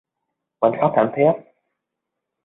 Quỳnh khóc thảm Thiết